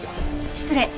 失礼。